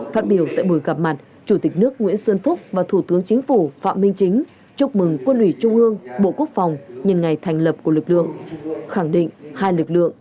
phát biểu tại buổi gặp mặt chủ tịch nước nguyễn xuân phúc và thủ tướng chính phủ phạm minh chính chúc mừng quân ủy trung ương bộ quốc phòng nhìn ngày thành lập của lực lượng